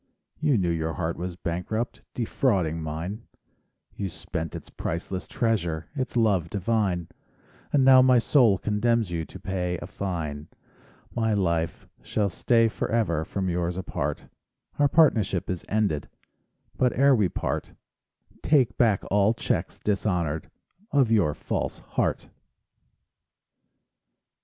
You knew your heart was bankrupt; Defrauding mine, You spent its priceless treasure— Its love divine; And now my soul condemns you To pay a fine; My life shall stay forever From yours apart; Our partnership is ended, But ere we part— Take back all checks dishonored Of your false heart.